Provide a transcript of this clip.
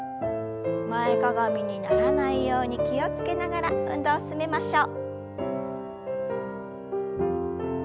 前かがみにならないように気を付けながら運動を進めましょう。